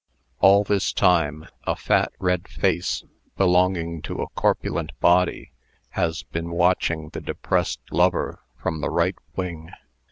All this time, a fat red face, belonging to a corpulent body, has been watching the depressed lover from the right wing.